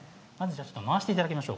回していただきましょう。